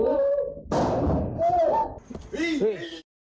เฮ้ยวิ่งดีกว่าดิ